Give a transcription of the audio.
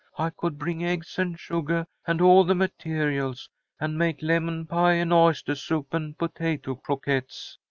I could bring eggs and sugah and all the materials, and make lemon pie and oystah soup and potato croquettes.